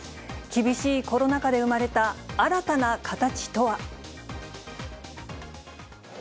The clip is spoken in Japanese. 厳しいコロナ禍で生まれた新たな形とは。